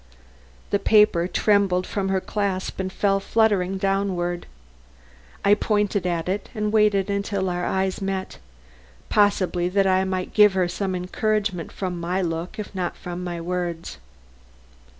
The paper trembled from her clasp and fell fluttering downward. I pointed at it and waited till our eyes met, possibly that I might give her some encouragement from my look if not from my words.